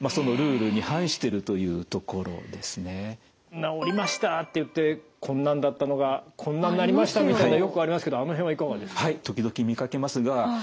「治りました」って言って「こんなんだったのがこんなんなりました」みたいのよくありますけどあの辺はいかがですか？